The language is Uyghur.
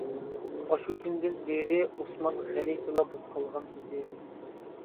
ئاشۇ كۈندىن بىرى ئوسمان غەلىتىلا بولۇپ قالغان ئىدى.